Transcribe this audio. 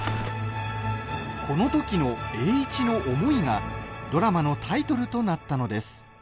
このときの栄一の思いがドラマのタイトルとなったのです。